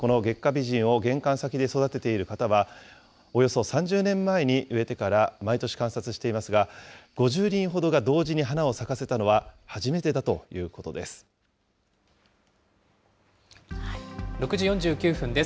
この月下美人を玄関先で育てている方は、およそ３０年前に植えてから毎年観察していますが、５０輪ほどが同時に花を咲かせたのは、６時４９分です。